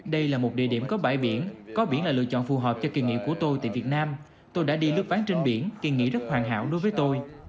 đây là một địa điểm có bãi biển có biển là lựa chọn phù hợp cho kỳ nghỉ của tôi tại việt nam tôi đã đi lướt ván trên biển kỳ nghỉ rất hoàn hảo đối với tôi